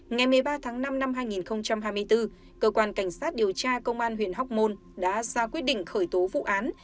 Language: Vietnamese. ngày một mươi ba tháng năm năm hai nghìn hai mươi bốn cơ quan cảnh sát điều tra công an huyện hóc môn đã ra quyết định khởi tố vụ án